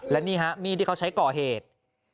และนี่ฮะมีดที่เขาใช้ก่อเหตุ